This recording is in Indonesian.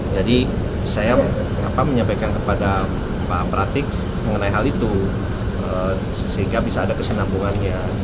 jadi saya menyampaikan kepada pak pratik mengenai hal itu sehingga bisa ada kesenambungannya